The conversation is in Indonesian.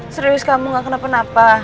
serius kamu gak kenapa napa